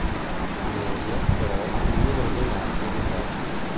In media, però, il numero dei nati è di tre.